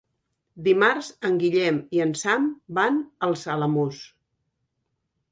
Dimarts en Guillem i en Sam van als Alamús.